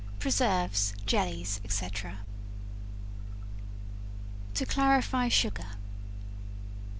PRESERVES, JELLIES, &c. To Clarify Sugar.